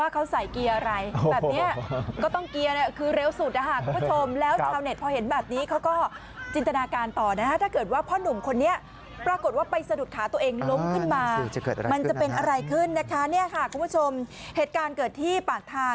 เขาใส่เกียร์ไลน์เดี๋ยวไปดูกันหน่อยนะคะ